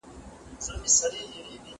زه هره ورځ کتابونه لوستل کوم؟!